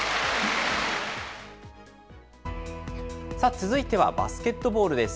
続いてはバスケットボールです。